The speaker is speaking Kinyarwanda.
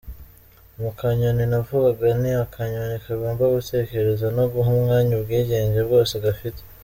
Mu kanyoni navugaga, ni akanyoni kagomba gutekereza no guha umwanya ubwigenge bwose gafite.